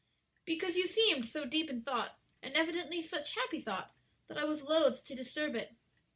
"Because you seemed so deep in thought, and evidently such happy thought, that I was loath to disturb it."